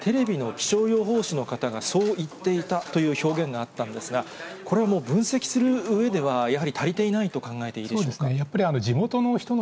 今、会見の中で、実はテレビの気象予報士の方がそう言っていたという表現があったんですが、これはもう、分析するうえではやはり足りていないと考えていいでそうですね。